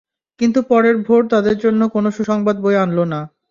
কিন্তু পরের ভোর তাদের জন্য কোন সুসংবাদ বয়ে আনল না।